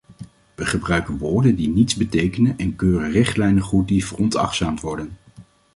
We gebruiken woorden die niets betekenen en keuren richtlijnen goed die veronachtzaamd worden.